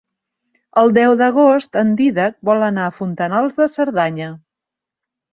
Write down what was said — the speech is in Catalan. El deu d'agost en Dídac vol anar a Fontanals de Cerdanya.